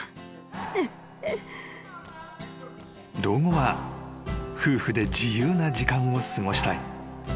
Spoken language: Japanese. ［老後は夫婦で自由な時間を過ごしたい］